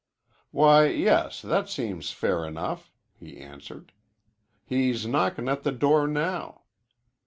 "Why, yes, that seems fair enough," he answered. "He's knockin' at the door now.